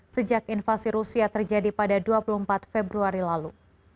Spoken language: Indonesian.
sejak invasi rusia terjadi pada dua puluh empat februari lalu